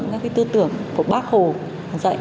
các cái tư tưởng của bác hồ dạy